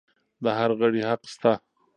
د هر غړي حق شته.